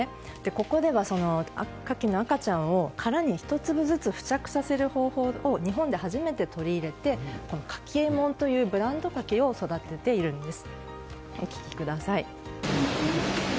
ここではカキの赤ちゃんを殻に１粒つずつ付着する方法を日本で初めて取り入れてカキえもんというブランドカキを育てているんです。